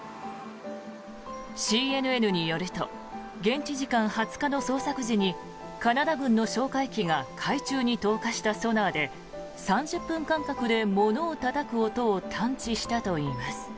ＣＮＮによると現地時間２０日の捜索時にカナダ軍の哨戒機が海中に投下したソナーで３０分間隔で物をたたく音を探知したといいます。